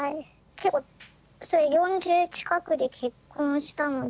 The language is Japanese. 結構４０近くで結婚したので。